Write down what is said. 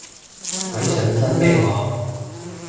鬼上身咩我